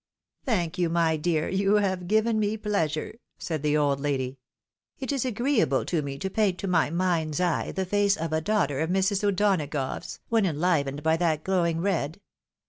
" Thank you, my dear, you have given me pleasure," said the old lady. "It is agreeable to me to paint to my mind's eye the face of a daughter of Mrs. O'Donagough's, when en livened by that glowing red.